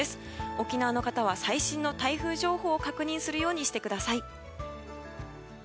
沖縄の方は最新の台風情報を確認するようにしてください。